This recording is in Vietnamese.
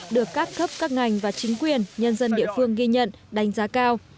được các cấp các ngành và chính quyền nhân dân địa phương ghi nhận đánh giá cao